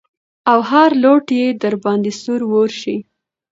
او هر لوټ يې د درباندې سور اور شي.